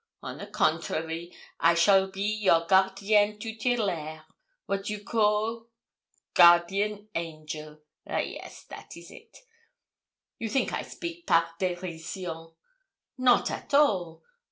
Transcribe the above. On the contrary, I shall be your gardienne tutelaire wat you call? guardian angel ah, yes, that is it. You think I speak par dérision; not at all.